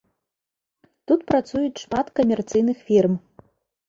Тут працуюць шмат камерцыйных фірм.